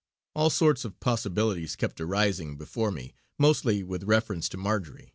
All sorts of possibilities kept arising before me, mostly with reference to Marjory.